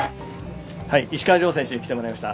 石川遼選手に来てもらいました。